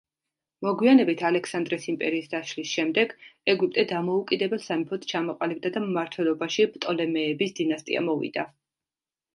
მოგვიანებით ალექსანდრეს იმპერიის დაშლის შემდეგ ეგვიპტე დამოუკიდებელ სამეფოდ ჩამოყალიბდა და მმართველობაში პტოლემეების დინასტია მოვიდა.